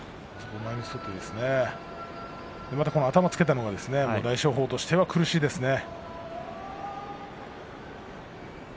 また、頭をつけたのは大翔鵬としては苦しいですね。